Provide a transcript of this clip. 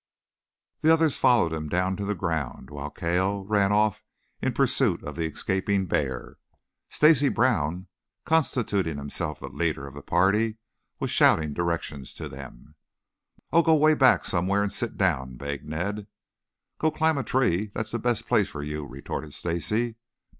The others followed him down to the ground, while Cale ran off in pursuit of the escaping bear. Stacy Brown, constituting himself the leader of the party, was shouting directions to them. "Oh, go way back somewhere and sit down," begged Ned. "Go climb a tree. That's the best place for you," retorted Stacy.